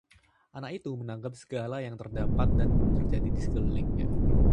anak itu menanggap segala yang terdapat dan terjadi di sekelilingnya